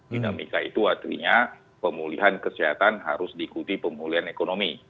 dinamika itu artinya pemulihan kesehatan harus diikuti pemulihan ekonomi